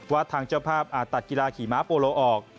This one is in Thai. ทางเจ้าภาพอาจตัดกีฬาขี่ม้าโปโลออก